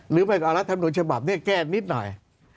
หรือเอาลักษณฑ์ทำนวแบบเนี้ยแก้นิดหน่อย